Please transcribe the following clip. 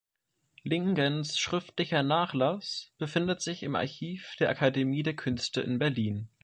Lingens schriftlicher Nachlass befindet sich im Archiv der Akademie der Künste in Berlin.